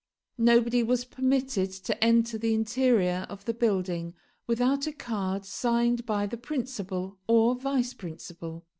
Nobody was permitted to enter the interior of the building without a card signed by the principal, or vice principal.